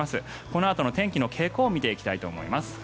このあとの天気の傾向を見ていきたいと思います。